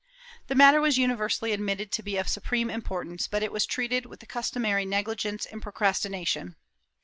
The matter was universally admitted to be of supreme impor tance, but it was treated with the customary negligence and pro crastination.